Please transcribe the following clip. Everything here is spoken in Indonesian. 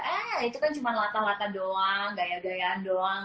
eh itu kan cuma latah latah doang gaya gayaan doang